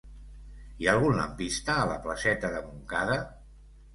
Hi ha algun lampista a la placeta de Montcada?